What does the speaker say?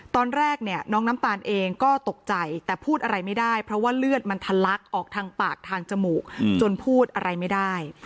ตอนแรกเนี่ยน้องน้ำตาลเองก็ตกใจแต่พูดอะไรไม่ได้เพราะว่าเลือดมันทะลักออกทางปากทางจมูกจนพูดอะไรไม่ได้